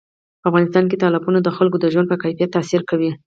په افغانستان کې تالابونه د خلکو د ژوند په کیفیت تاثیر کوي.